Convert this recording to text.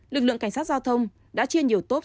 lực lượng cảnh sát giao thông đã chia nhiều tốp